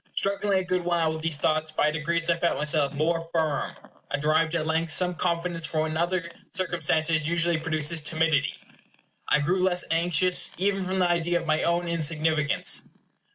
Struggling a good while with these thoughts, by degrees I felt myself more firm. I derived, at length, some confidence from what in other circumstances usually produces timidity. I grew less anxious, even from the idea of my own insignificance.